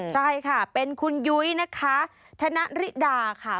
ใช่ค่ะเป็นคุณยุ้ยนะคะธนริดาค่ะ